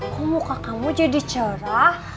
kok muka kamu jadi cerah